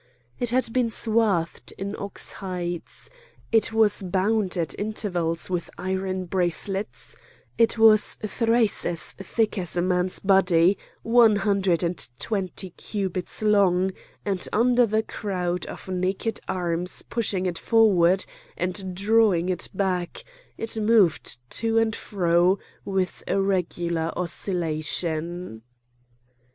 It had been swathed in ox hides; it was bound at intervals with iron bracelets; it was thrice as thick as a man's body, one hundred and twenty cubits long, and under the crowd of naked arms pushing it forward and drawing it back, it moved to and fro with a regular oscillation.